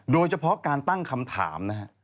โดยเฉพาะการตั้งคำถามนะฮะ